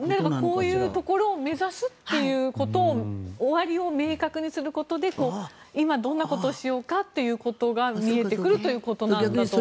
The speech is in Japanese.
こういうところを目指すということを終わりを明確にすることで今、どんなことをしようかということが見えてくるということなんだと思います。